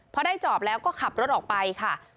พอได้จอบแล้วก็ขับรถออกไปค่ะ